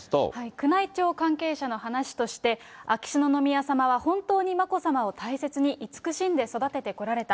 宮内庁関係者の話として、秋篠宮さまは本当に眞子さまを大切に慈しんで育ててこられた。